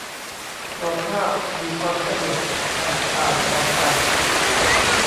จอภาพมีความละเอียดแตกต่างกันไป